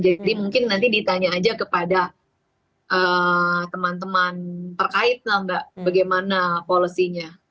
jadi mungkin nanti ditanya aja kepada teman teman perkaitan mbak bagaimana policy nya